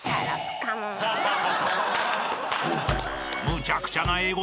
［むちゃくちゃな英語で］